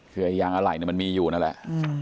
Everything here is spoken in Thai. คือยางอะไหล่เนี้ยมันมีอยู่นั่นแหละอืม